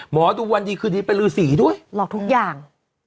หมอดูวันดีคืนดีเป็นรือสีด้วยหลอกทุกอย่าง